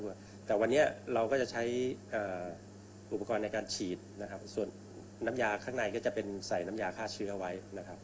แต่วันนี้เราก็จะใช้อุปกรณ์ในการฉีดนะครับส่วนน้ำยาข้างในก็จะเป็นใส่น้ำยาฆ่าเชื้อไว้นะครับ